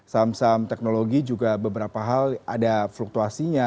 saham saham teknologi juga beberapa hal ada fluktuasinya